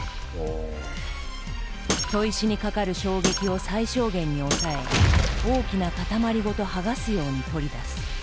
砥石にかかる衝撃を最小限に抑え大きな塊ごと剥がすように取り出す。